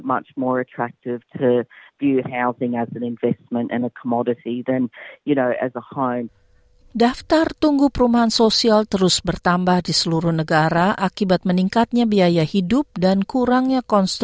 mungkin mereka menambahkan elemen kompleks